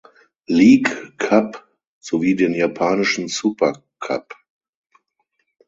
League Cup sowie den japanischen Supercup.